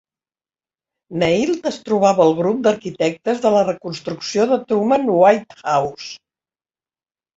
Neild es trobava al grup d"arquitectes de la reconstrucció de Truman White House.